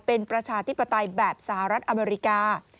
เป็นประชาธิปไตยแบบสหรัฐอเมริกา